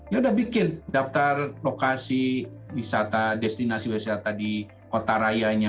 ya udah bikin daftar lokasi wisata destinasi wisata di kota rayanya